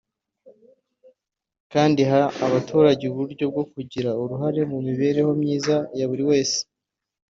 kandi iha abaturage uburyo bwo kugira uruhare mu mibereho myiza ya buri wese